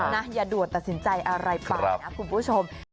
อย่าด่วนตัดสินใจอะไรไปนะคุณผู้ชม